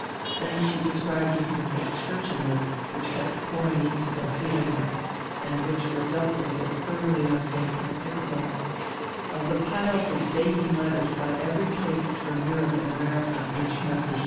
Then she described to him subscription lists which kept pouring in to Delphinenort, and which were dealt with as thoroughly as was practicable; of the piles of begging letters by every post from Europe and America which Messrs.